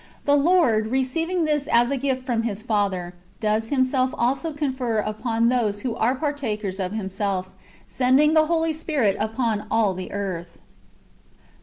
The Lord, receiving this as a gift from His Father, does Himself also confer it upon those who are partakers of Himself, send ing the Holy Spirit upon all the earth.